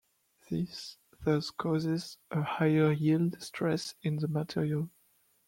This thus causes a higher yield stress in the material.